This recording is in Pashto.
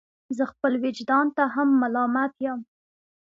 زه خپل ویجدان ته هم ملامت یم.